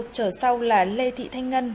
trở sau là lê thị thanh ngân